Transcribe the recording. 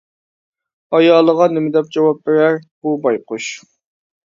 -ئايالىغا نېمە دەپ جاۋاب بېرەر، بۇ بايقۇش.